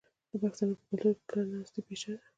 د پښتنو په کلتور کې کرنه اصلي پیشه ده.